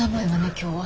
今日は。